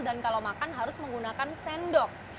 dan kalau makan harus menggunakan sendok